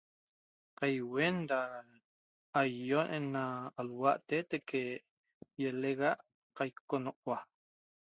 Caihuen da aioo ena aluate teque ielexa cai auconohua